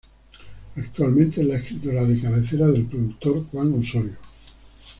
Actualmente es la escritora de cabecera del productor Juan Osorio.